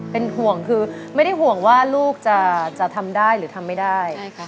เป็นห่วงคือไม่ได้ห่วงว่าลูกจะทำได้หรือทำไม่ได้